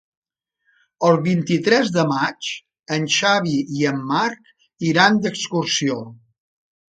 El vint-i-tres de maig en Xavi i en Marc iran d'excursió.